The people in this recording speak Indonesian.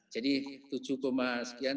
jadi tujuh sekian